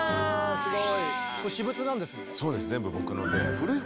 すごい。